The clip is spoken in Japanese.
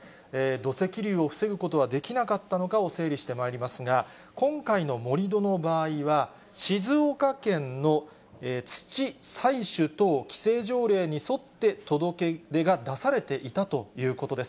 土石流を防ぐことはできなかったのかを整理してまいりますが、今回の盛り土の場合は、静岡県の土採取等規制条例に沿って届け出が出されていたということです。